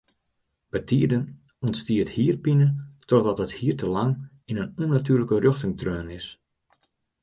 Bytiden ûntstiet hierpine trochdat it hier te lang yn in ûnnatuerlike rjochting treaun is.